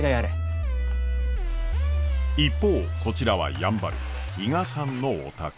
一方こちらはやんばる比嘉さんのお宅。